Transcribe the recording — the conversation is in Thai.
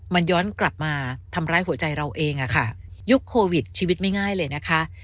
มันย้อนกลับมาทำร้ายหัวใจเราเองอะค่ะยุคโควิดชีวิตไม่ง่ายเลยนะคะ